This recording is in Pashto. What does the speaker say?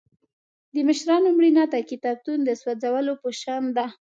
د مشرانو مړینه د کتابتون د سوځولو په شان ده.